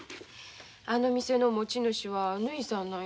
あの店の持ち主はぬひさんなん